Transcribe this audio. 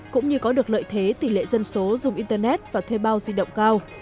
cũng như có được lợi thế tỷ lệ dân số dùng internet và thuê bao di động cao